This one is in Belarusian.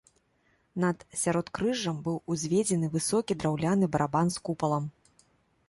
Над сяродкрыжжам быў узведзены высокі драўляны барабан з купалам.